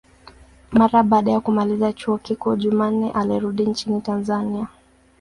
Mara baada ya kumaliza chuo kikuu, Jumanne alirudi nchini Tanzania.